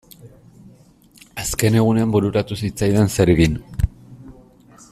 Azken egunean bururatu zitzaidan zer egin.